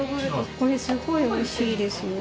これすごいおいしいですよ。